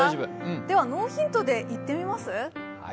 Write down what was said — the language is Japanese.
では、ノーヒントでいってみます？